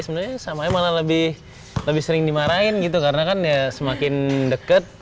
sebenarnya sama aja malah lebih sering dimarahin gitu karena kan ya semakin deket